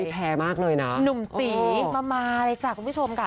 แพ้มากเลยนะหนุ่มตีมาเลยจ้ะคุณผู้ชมค่ะ